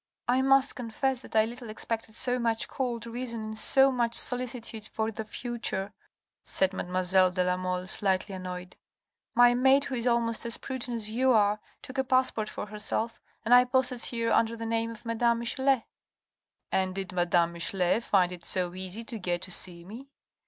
" I must confess that I little expected so much cold reason and so much solicitude for the future," said mademoiselle de la Mole, slightly annoyed. " My maid who is almost as prudent as you are, took a passport for herself, and I posted here under the name of madam Michelet." " And did madame Michelet find it so easy to get to see me?"